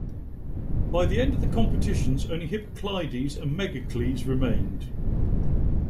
By the end of the competitions, only Hippocleides and Megacles remained.